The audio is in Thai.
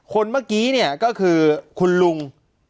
คนเมื่อกี้เนี่ยก็คือคุณลุง